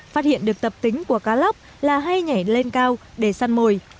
phát hiện được tập tính của cá lóc là hay nhảy lên cao để săn mồi